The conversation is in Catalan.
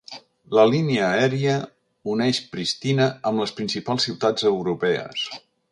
La línia aèria uneix Pristina amb les principals ciutats europees.